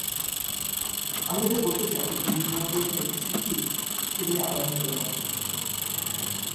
আমি তাদের বলতে চাই, বিলবোর্ডের দেখেছেন কী, কেবল আরম্ভ হলো মাত্র।